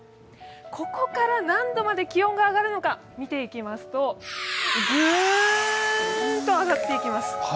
ここから何度まで気温が上がるのか見ていきますと、ぐーんと上がっていきます。